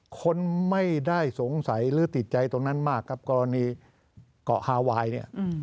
คนไม่ได้สงสัยหรือติดใจตรงนั้นมากครับกรณีเกาะฮาไวน์เนี่ย